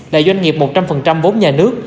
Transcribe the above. là doanh nghiệp một trăm linh vốn nhà nước